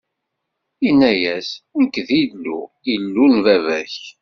Inna-yas: Nekk, d Illu, Illu n baba-k!